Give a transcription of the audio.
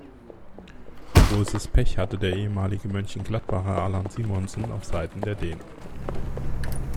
Großes Pech hatte der ehemalige Mönchengladbacher Allan Simonsen auf Seiten der Dänen.